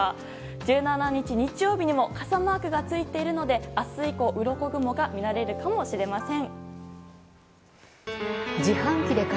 １７日、日曜日にも傘マークがついているので明日以降、うろこ雲が見られるかもしれません。